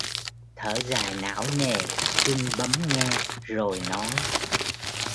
thở dài não nề Trinh bấm nghe rồi nói